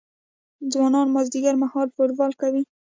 ځوانان مازدیګر مهال فوټبال کوي.